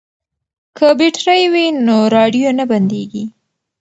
که بیټرۍ وي نو راډیو نه بندیږي.